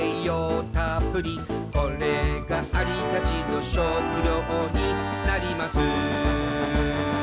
「これがアリたちの食料になります」